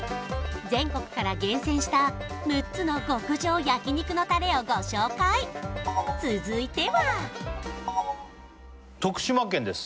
全国から厳選した６つの極上焼肉のタレをご紹介続いては徳島県です